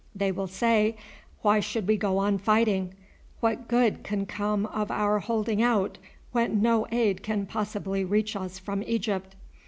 They will say, 'Why should we go on fighting? What good can come of our holding out when no aid can possibly reach us from Egypt?'